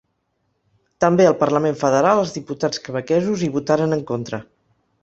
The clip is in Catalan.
També al parlament federal els diputats quebequesos hi votaren en contra.